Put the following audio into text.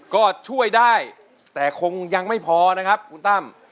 ก็ช่วยได้แต่คงยังไม่พอนะครับคุณตั้ม